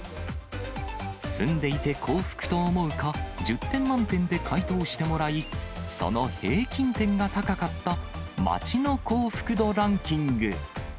住んでいて幸福と思うか、１０点満点で回答してもらい、その平均点が高かった街の幸福度ランキング。